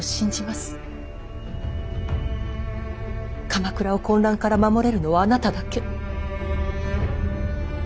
鎌倉を混乱から守れるのはあなただけ。